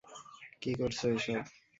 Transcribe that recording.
কি করছ এসব?